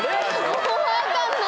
もう分かんない。